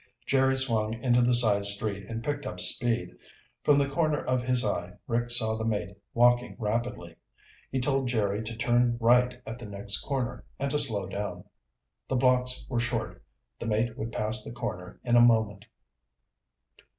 Jerry swung into the side street and picked up speed. From the corner of his eye Rick saw the mate walking rapidly. He told Jerry to turn right at the next corner and to slow down. The blocks were short; the mate would pass the corner in a moment.